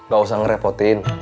gak usah ngerepotin